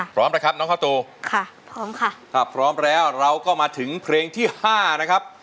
พร้อมแหละครับน้องเค้าตูพร้อมแล้วเราก็มาถึงเพลงที่ห้านะครับ